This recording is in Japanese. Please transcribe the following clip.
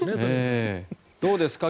どうですか？